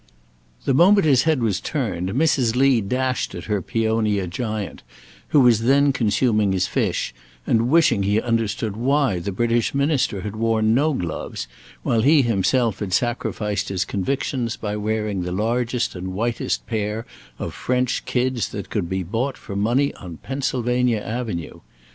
The moment his head was turned, Mrs. Lee dashed at her Peonia Giant, who was then consuming his fish, and wishing he understood why the British Minister had worn no gloves, while he himself had sacrificed his convictions by wearing the largest and whitest pair of French kids that could be bought for money on Pennsylvania Avenue.